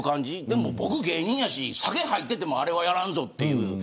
でも僕は芸人やし酒が入っていてもあれはやらんぞという。